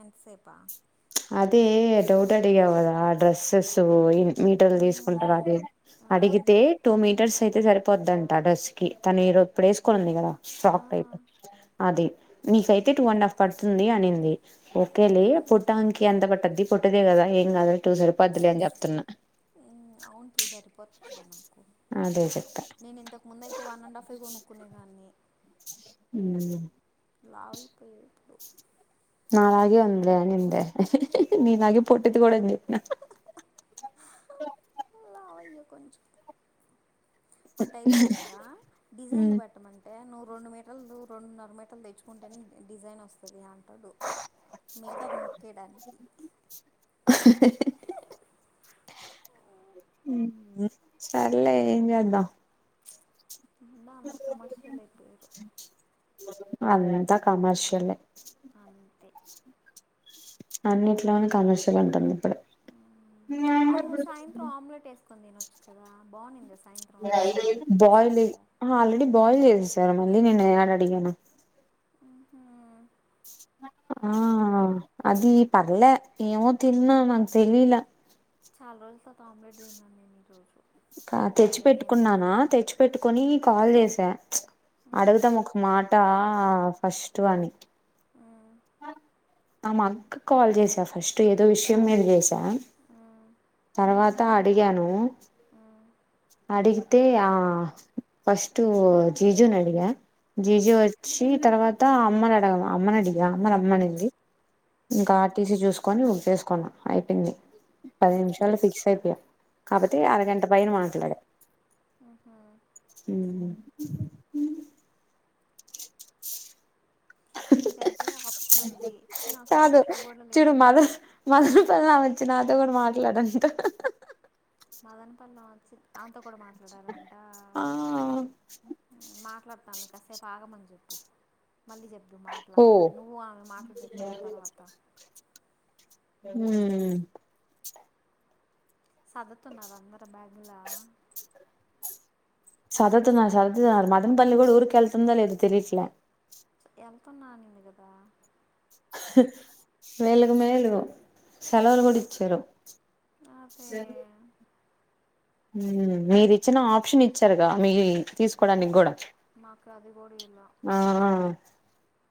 ఎంతసేపా అదే డవుట్ అడిగావు కాదా డ్రెస్సెసు ఇ మీటర్లు తీసుకుంటారు అది ఆ ఏం అడిగితే చెప్ టూ మీటర్స్ అయితే సరిపోద్ద్దంట డ్రస్ కి తను ఇప్పుడు వేసుకోనుంది కదా ఆ ఫ్రాక్ టైప్ అది నీకైతే టూ అండ్ హాఫ్ పడుతుంది అని ఒకేలే ఓకే పుట్టానికి ఎంత పట్టది పొట్టిదే కదా ఏం కాదులే టూ సరి పద్దులే అని చెప్తున్నా అవును టు సరిపోతుంది నాకు అదే చెప్పా నేను ఇంతకు ముంద అయితే వన్ అండ్ హాఫ్ కొనుక్కునేదాన్ని ఉమ్ లావైపోయ ఇప్పుడు [unintelligible] ఉందిలే అనిందే నీలాగే పొట్టిది కూడ అని చెప్పిన [unintelligible] మాటైలర్ లు వుండ్ల్య డిజైన్లు ఉమ్ పెట్టమం అంటే నువ్వు రెండు మీటర్లు రెండున్నర మీటర్లు తెచ్చుకుంటేనే డిజైన్ వస్తది అ అంటడు మిగతాది నొక్కేడానికి అ సర్లే ఏంచేద్దాం అంటా అందరు కమర్ష్యల్ అయిపోయారు అంతా కమర్షియలే అంతే అన్నిట్లోను కమర్షియల్ ఉంటుంది ఇప్పుడు కొని తినొచ్చు కదా బాగుంది సాయంత్రం రైస్ ఆంటీ బాయిల్ వేసిందా ఆల్రెడీ బాయిల్ చేసి [unintelligible] మళ్ళీ ననేను యాడ అడిగేను ఉహు ఆ అది పర్లే ఏమో తిన్నా నాకు తెలిల చాల రోజుల తవాత ఆమ్లెట్ తిన్నాను నేను ఈ రోజు తెచ్చి పెట్టుకున్నానా తెచ్చి పెట్టుకని కాల్ చేసా మ్, అడుగదాం ఒక మాట ఫస్ట్ అని ఆ ఆ అక్క కి కాల్ చేసా ఫస్ట్ ఏదో విషయం మేద చేసా మ్, తర్వాత అడిగాను మ్, మ్, అడిగతే ఆ ఫస్ట్ జీజున్ అడిగ జిజి వచ్చి తర్వాత అమ్మను అడిగ అమ్మని అడిగా అమ్మ రమ్మనిది ఇంకా మ్, ఆర్టీసీ చూసుకొని ఉపేసుకున్నా అయిపోయింది. పది మ్హూ, నిమిషాలో ఫిక్స్ అయిపోయాం. కాబట్టి అరగంట పైన మా ఆహా నీకంటే ఆప్షన్ ఉంది నాకు కాదు ఆప్షన్ కూడ చూడు లేదు. మదర్ [unintelligible] నాతో కూడ మాట్లాడు అంట మదనపలో వచ్చి ఆమె తో కూడ మాట్లాడారంట ఆ మాట్లాడతాను కాసేపు ఆగమని చెప్పు మళ్ళీ చెప్దువు ఓ మాటలానికి నువ్వు ఆమె మాటలు చెప్పుకున్న తర్వాత ఉ సదుతున్నారు అందరు బ్యాగులో సదతునారు సదతనారు మదం పల్లి కూడా ఊరుకిళ్ళతుందా వెళుతుందో లేదో తెలియట్లేదు వెళ్తున్నా నంది కదా వేలు కు మేలు సెలవులు కూడా ఇచ్చారు. అదే మీరు ఇచ్చిన ఆప్షన్ ఇచ్చారుగా మీ తీసుకోవడానికి కూడా. మాకు కదు ఆ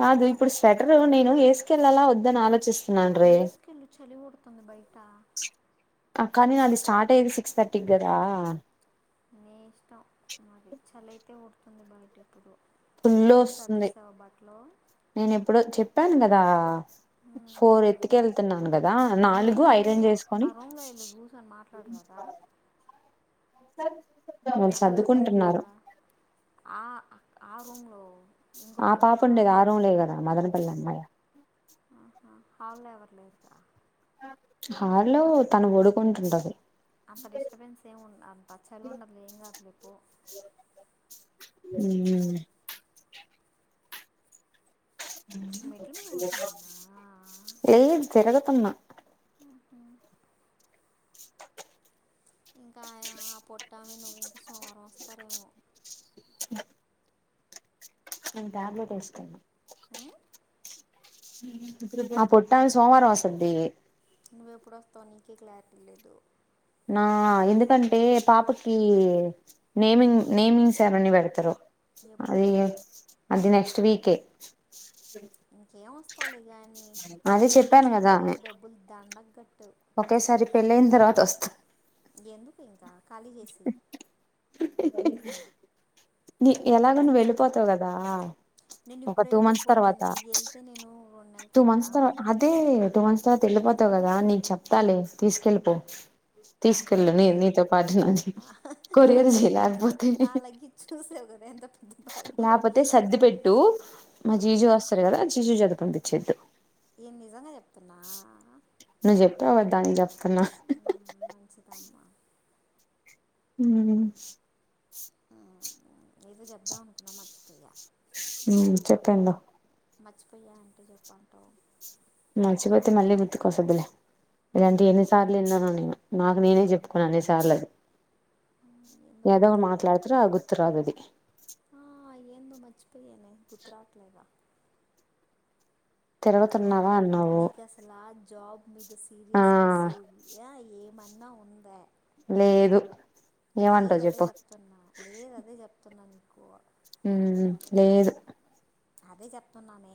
కాదు ఇప్పుడు స్వెటరు నేను వేసుకెళ్ళాల వద్దని ఆలోచిస్తా. ఏ స్కిళ్లు చలి ఉడుతుంది బయట. కానీ అది స్టార్ట్ అయ్యేది సిక్స్ థర్టీకి కదా నీ ఇష్టం మరి చలయితే ఉడుతుంది బయట ఇప్పుడు ఫుల్లు నువ్వు కూడా వస్తుంది. సర్దేసావా బట్టలు నేను ఎప్పుడో చెప్పాను కదా ఫోర్ ఎత్తుక మ్మ్. వెళ్తున్నాను కదా నువ్వు నాలుగు వెళ్ళి ఐరన్ రూమ్లో ఆ చేసుకొని. రూమ్లో వెళ్ళి కూర్చొని మాట్లాడు కదా వాళ్లు ఆడెవరు లేరు సర్దుకుంటున్నారు కదా ఆ ఆ రూమ్లో ఇంకో ఆ పిల్ల పాప ఉండేది ఆ రూమ్ మే కదా మదనపల్లి అమ్మాయి ఆహా హళ్ళ ఎవరు లేదుగా హాల్లో తను ఒడుకుంటుంటది అంత డిస్టర్బెన్స్ ఏమి అ పచ్చలు ఉండదు ఏం కాదులే పో ఉ మెట్ల మీద కూర్చో అన్నా లేదు తిరుగుతున్న బోళ్ల సౌండ్ ఇంకా ఆ పోట్టామే నువ్వు ఇంకా సోమవారం వస్తారేమో నీను టాబ్లెట్ వేస్తాడి ఉం? ఆ పొట్టమే సోమవారం వస్తది తీఇ నువ్వెప్పుడు వస్తావు నీకే క్లారిటీ లేదు ఆ ఎందుకంటే పాపకి నేమింగ్ నేమింగ్ సారనీ పెడతారు అది ఎప్పుడదే అది నెక్స్ట్ వీకే ఇంకేం వస్తాలే గాని అదే నువ్వు చెప్పాను కదా పీచుకి డబ్బులు దండగ గట్టు ఒకేసారి పెళ్ళి అయిన తర్వాత వస్తా వెళ్లిపోయిందా ఇంకా ఖాళీ చేసి నీ ఎలాగో నువ్వు వెళ్ళిపోతావు కదా నేను ఒక ఇప్పుడే టూ ఎందుకు మంత్స్ తర్వాత పోతానే వెళ్తే నేను రెండు నెల టూ తర్వాత మంత్స్ అదే టూ మంత్స్ తర్వాత వెళ్ళిపోతావు కదా నీకు చెప్తాలే తీసుకెళ్ళిపో. తీసుకెళ్ళు నీతో పాటు ఆ, నా కొరియర్ చేయలేకపోతే నా లగేజ్ చూసావు కదా ఎంత పెద్ద బ్యాగ్ లేకపోతే సర్ది పెట్టు మా జీజు వస్తారు కదా జీజు జత పంపించేద్దు ఈ నిజంగా చెప్ప నువ్వు చెప్పావు కదా దానికి చెప్తున్నా మంచిదమ్మా ఉ ఏదో చెప్దాం అనుకున్నా మర్చిపోయా ఉ చెప్పేదాం మర్చిపోయా అంటే చెప్పంటావు మంచిపోతే మళ్ళీ గుర్తుకొస్తదిలే ఇలాంటి ఎన్నిసార్లు విన్నాను నేను నాకు నేనే చెప్పుకును అన్ని సార్లు అది ఏందో ఏదో గుర్తురాలి మాట్లాడుతుర మొత్త ఆ గుర్తురాదు ఆది ఏదో మంచిపోయనే గుర్తు రావట్లేదా ఆ తిరుగుతున్నావా అన్నావు నీకు అసలు ఆ జాబ్ మీద ఆ సీరియస్న ఉందా లేదా మన్న ఉంధ్య లేదు లేదు ఏమంటావు అదే చెప్పు చెప్తున్నా లేద అదే చెప్తున్నా నీకు మ్మ్ లేదు అదే చెప్తున్నానే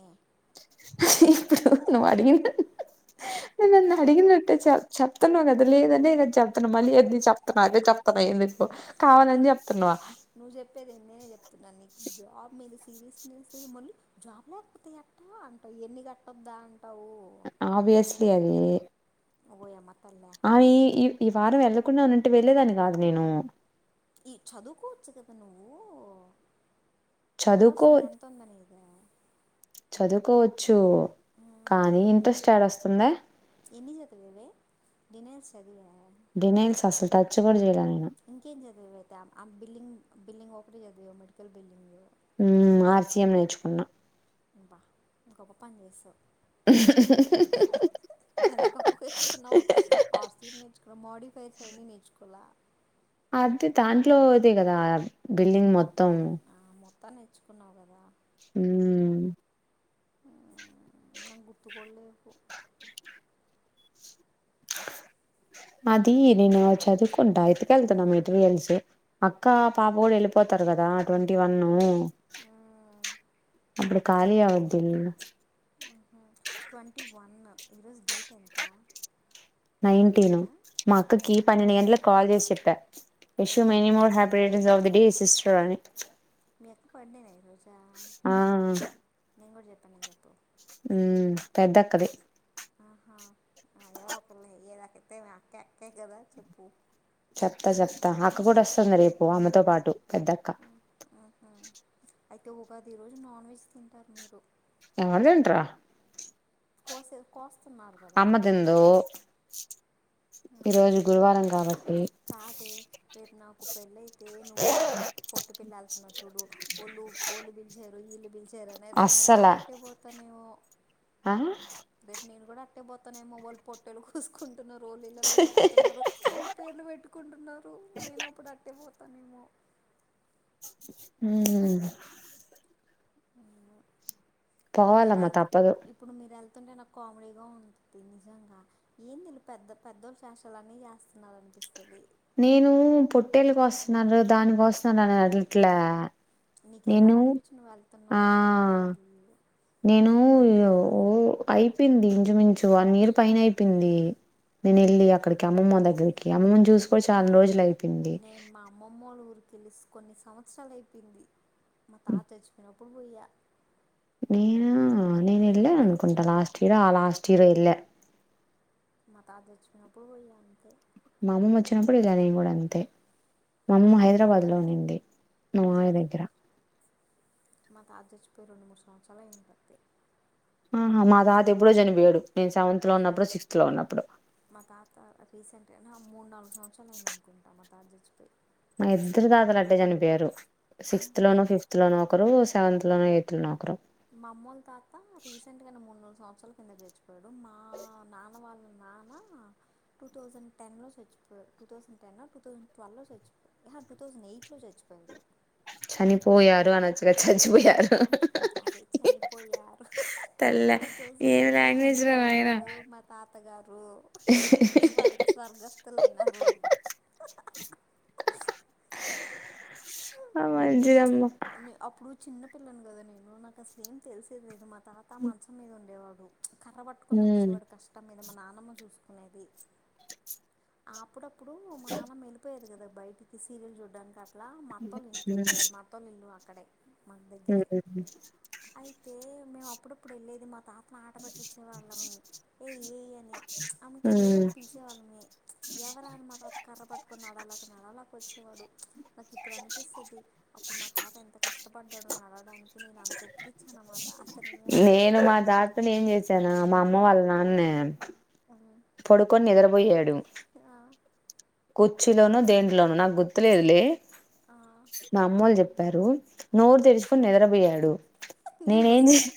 ఇప్పుడు నువ్వు అడిగిన [unintelligible] నన్ను అడిగినట్టే చెప్ చెప్తున్నాను కదా లేద్ లేదనే కదా చెప్తన్నా మళ్ళీ ఎది చెప్తున్నా అదే చెప్తన్నా ఏ నువ్వు చెప్ నువ్వు చెప్పేది ఏంది నేనే చెప్తున్నా నీకు జాబ్ మీద ఇంగ్లీష్ పీస్ లో మళ్ళీ జాబ్ లేకపోతే యేట్ట అంటావు ఎన్ని కట్టద్దా అంటావు ఆబ్వయస్లీ అది ఓయమ్మా ఆ ఈ ఈ ఈ వారం వెళ్ళకుండా ఉన్నింటే వెళ్ళేదాన్ని కాదు నేను ఈ చదువుకోవచ్చు కదా నువ్వు చదువుకో చదవాల్సింది ఎంత ఉందని ఆ చదువుకోవచ్చు కానీ ఇంట్రెస్ట్ యాడ వస్తుందా ఎన్ని చదివావే డీనాన్స్ చదివ డినాన్స్ అస్సల్ టచ్ కూడా చేయాలే నేను ఇంకేం చదివవే అయితే ఆమ్ ఆమ్ బిల్లింగ్ బిల్లింగ్ ఒకటి చదివ మెడికల్ బిల్లింగ్ మ్మ్ ఆర్సీఎం నేరుచుకున్నా ఇ బా ఇం గొప్ప పని చేసావ్ ఎంత గొప్ప క చెప్తున్నావో ఆర్ సీ ప నేర్చుకున్నావ్ మోడీ ఫై ఆయన్ని నేర్చుకోలా అదే దాంట్లో దే కదా బిల్లింగ్ మొత్తం ఆ, మొత్తం నేర్చుకున్నావు కదా మ్మ్ నాకు గుర్తుకుడలేవు అది నేను చదువుకుంట ఎత్తుకెళ్తున్న మెటీరియల్స్ అక్క పాప కూడా వెళ్ళిపోత్ తరు కదా ట్వంటీ వన్ మ్మ్ ఇప్పుడు ఖాళీ ఆవద్దు ట్వంటీ వన్ ఈ రోజు డేట్ ఎంత నైన్టీను నైన్టీనా మా అక్కకి పన్నెండు గంటలకు కాల్ చేసి చెప్ప విష్ యూ ఏమన్నా many more happy return of the days mister అని మీ అక్క బర్డే నా ఈ రోజా ఆ నేను కూడా చెప్పాను అని చెప్పు హ్మ్ పెద్దక్కది ఆహా ఎవరోక్కలే ఎదైతేమీ అక్కే అక్కే కదా చెప్పు చెప్తా చెప్తా అక్క కూడా వస్తుంది రేపు అమ్మతో పాటు పెద్దక్క ఆ, ఆహా. అయితే ఉగాది రోజు నాన్ వెజ్ తింటారు మీరు ఎవరు తింటారు కోసే కోస అమ్మదిందు ఈరోజు గురువారం కాబట్టి కాదే రేపు నాకు పెళ్ళయితే నువ్వు అ పొ పొట్టు పెళ్ వెళ్తున్నావ్ చూడు వోళ్ళు వోళ్ళు పిలిచారు వాళ్లు పిలిచారు అనే రేపు నేను కూడా అస్సలా అట్టే పోతానేమో ఆ రేపు నేను కూడా అట్టే పోతానేమో వాళ్ళు పొట్టేలు కోసుకు కుంటున్నారూ వొళ్ళ ఇళ్ళలో జేతున్నారు వాళ్ళు పేర్లు పెట్టుకుంటున్నారు నేన్ అప్పుడు అట్టే పో మ్మ్ ఇప్పుడు మీరు పోవాలమ్మ వెళ్త తప్పదు ఇప్పుడు మీరు వెళ్త వెళ్తుతుంటే నాకు కామెడీగా ఉంటుంది. నిజంగా ఏంది విళ్ళు పెద్ద పెద్దోళ్ళ చేష్టలు అన్నీ చేస్తున్నంట అనిపిస్తుంది నేను పొట్టేళ్లు కోస్తన్నారు. దాని కోస్తన్నారు అని వెళ్లట్ల నీకెళ్లాలనిపించి నువ్ వెళ్తున్నావ్ అర్థం అయింది. నేను అయిపోయింది. ఇంచుమించు వన్ ఇయర్ పైనే అయిపోయింది. నేను వెల్లి అక్కడికి అమ్మమ్మ దగ్గర అమ్మని చూసుకొని చాలా రోజులు అయిపోయింది. తెలుసు కొన్ని సంవత్సరాలు అయిపోయింది. మా తాత చచ్చిపోనప్పుడు పోయా నేనా నేను వెళ్ళాను అనుకుంటా లాస్ట్ ఇయర్ ఆ లాస్ట్ ఇయర్ వెళ్ళా మాతాత చచ్చిపోయినప్పుడు పోయా అంతే మా అమ్మమ్మ వచ్చినప్పుడు ఎల్లా నేను కూడా అంతే మా అమ్మమ్మ హైదరాబాద్ లో ఉన్నిం మా మావయ్య దగ్గర మా తాత జచ్చిపోయి రెండు మూడు సంవత్సరాలు అయి చచ్చిపోయి ఆహా మా తాత ఎప్పుడో చనిపోయాడు. నేను సెవెంత లో, ఉన్నప్పుడో సిక్స్త్ లో ఉన్నప్పుడు మా తాత రీసెంట్ గా మూడు నాలుగు సంవత్సరాలు అయింది. అనుకుంటా మా తాత చచ్చిపోయి మా ఇద్దరు తాతలు అట్టే చనిపోయారు. సిక్స్త్ లోను ఫిఫ్త్ లోను ఒకరు సెవెంత్లో లోను ఎయిత్తులోను ఒక్కరు మా అమ్మోలు తాత రీసెంట్ గా మూడు, నాలుగు సంవత్సరాల కిందట చచ్చిపోయాడు. మా అమ్మ వాళ్ళనాన్న టూ థౌసండ్ టెన్ లో చచ్చిపో టూ థౌసండ్ టెన్ ఆ టూ థౌసండ్ ట్వ్ లో ఆహా టూ థౌసండ్ ఎయిట్ లో చచ్చ పోయాడు చనిపోయారు అనొచ్చుగా చచ్చిపోయారు. అదే చనిపోయరు తల్లే టూ థౌసండ్ ఏం ఎయిట్ లో లాంగ్వేజ్ రా చనిపోయారు మా తాతగారు తాత స్వర్ స్వర్గస్తులైనారు అమై అప్పుడు చిన్న పిల్లని కదా నేను నాకు అసలు ఏం తెలిసేది లేదు. మా తాత మంచం మీద ఉండేవాడు. కర్రబట్టుకోని హ్మ్ నడిచేవాడు కష్టం మీద మా నానమ్మ చూసుకునేది అప్పుడప్ ఇప్పుడు మా నాన్న వేళ్ళిపోయేది గదా బయటికి సీరియల్ చూడ్డానికి అట్లా మా అత్తోళ్లు ఇంటికి హ్మ్ వెళ్ళిపోయి మా అత్తోలు ఇల్లు అక్కడే మా దగ్గరే అయితే మేము అప్పుడప్పుడు వెళ్ళేది మా తాత మాట పట్టించే వాళ్ళము ఏ ఏ అమ్ంటే ఏదో హ్మ్ ఒకటి పిలిచేవాళ్ళమే ఎవరా అని మా తాత కర్ర పట్టుకొని నడవలేక నడవలేక వచ్చేవాడు. నాకు ఇప్పుడు అనిపిస్తుంది అప్పుడు మా తాత ఎంత కష్టపడ్డాడో నడవడానికి నేను అంత ఎక్కిరి ఇచ్చాను అనమాట. నేను మా తాతను ఏం చేసాన మా అమ్మ వాళ్ళ నాన్న ఏ పడుకొని నిద్రబోయాడు ఆ, కుర్చీలోను దేంట్లోనో నాకు గుర్తులేదులే ఆ, మా అమ్మళ్ళు చెప్పారు. ఆ. నోరు తెరుచుకుని నిద్రపోయాడు నీళ్ళు నేనేం పోసావా చేసి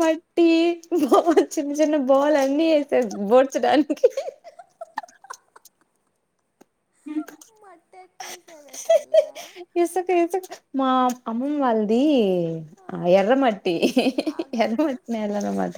మట్టి బొమ్మలు చిన్న చిన్న బొమ్మలు అన్నీ ఏసా బోడ్చడానికి మట్టి ఎట్టే ఎసావే తల్లే ఇసుక ఇసుక మా అమ్మమ్మ వాళ్ళది ఆ ఎర్రమట్టి ఆగాగు ఎర్రమట్టి నేల అనమాట